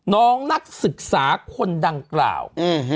น้องนักศึกษาคนดังกล่าว